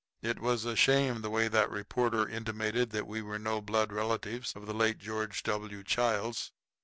It was a shame the way that reporter intimated that we were no blood relatives of the late George W. Childs.